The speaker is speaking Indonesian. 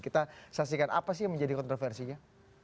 kita saksikan apa sih yang menjadi kontroversinya